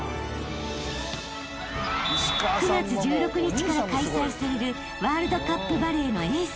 ［９月１６日から開催されるワールドカップバレーのエース］